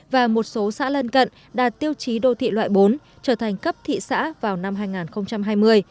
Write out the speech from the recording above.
và một số xã lân cận đạt tiêu chí đô thị loại bốn trở thành cấp thị xã vào năm hai nghìn hai mươi